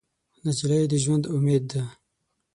نجلۍ د ژونده امید ده.